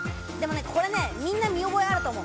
みんな見覚えあると思う。